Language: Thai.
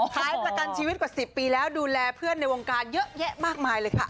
ขายประกันชีวิตกว่า๑๐ปีแล้วดูแลเพื่อนในวงการเยอะแยะมากมายเลยค่ะ